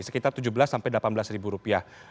sekitar rp tujuh belas sampai rp delapan belas